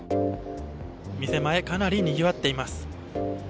店前かなりにぎわっています。